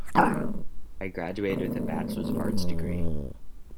I graduated with a bachelors of arts degree.